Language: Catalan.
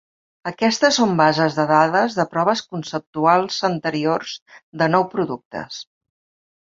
Aquestes són bases de dades de proves conceptuals anteriors de nou productes.